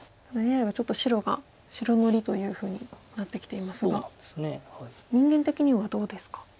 ただＡＩはちょっと白が白乗りというふうになってきていますが人間的にはどうですか？